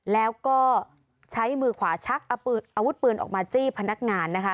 แล้วก็ใช้มือขวาชักอาวุธปืนออกมาจี้พนักงานนะคะ